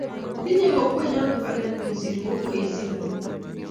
Tinyei kokwenyo kibagenge kosir kokwesiek alak